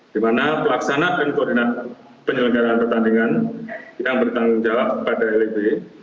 di mana pelaksana dan koordinat penyelenggaraan pertandingan yang bertanggung jawab pada lib